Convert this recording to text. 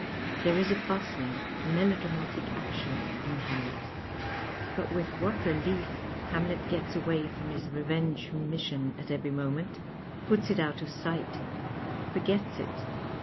There is a bustling, melodramatic action in Hamlet. But with what relief Hamlet gets away fnnn his revenge " mission " at every moment, puts it out of sight, forget.s it